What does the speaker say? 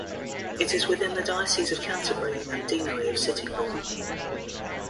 It is within the diocese of Canterbury and deanery of Sittingbourne.